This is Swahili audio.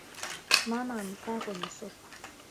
Mama amekaa kwenye sofa